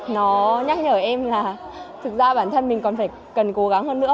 nó nhắc nhở em là thực ra bản thân mình còn phải cần cố gắng hơn nữa